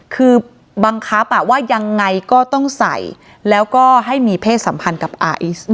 คือบังคับว่ายังไงก็ต้องใส่แล้วก็ให้มีเพศสัมพันธ์กับไอซ์